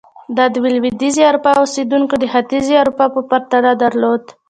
دا د لوېدیځې اروپا اوسېدونکو د ختیځې اروپا په پرتله درلود.